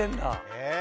へえ。